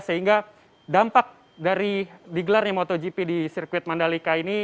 sehingga dampak dari digelarnya motogp di sirkuit mandalika ini